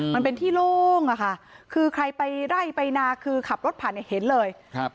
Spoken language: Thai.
มันเป็นที่โล่งอะค่ะคือใครไปไล่ไปนาคือขับรถผ่านเนี่ยเห็นเลยครับ